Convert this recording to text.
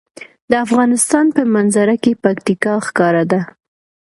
د افغانستان په منظره کې پکتیکا ښکاره ده.